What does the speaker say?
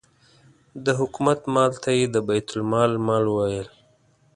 د حکومت مال ته یې د بیت المال مال ویل.